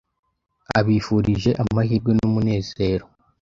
abifurije amahirwe n’ umunezero